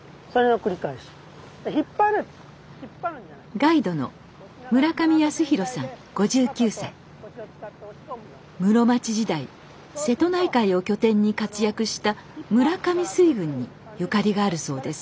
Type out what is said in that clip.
ガイドの室町時代瀬戸内海を拠点に活躍した村上水軍にゆかりがあるそうです。